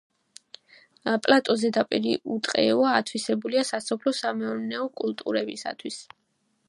პლატოს ზედაპირი უტყეოა, ათვისებულია სასოფლო-სამეურნეო კულტურებისათვის.